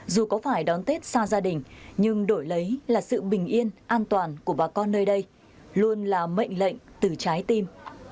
dù có phải đón tết xa gia đình nhưng đổi lấy là sự bình yên an toàn của bà con nơi đây luôn là mệnh lệnh từ trái tim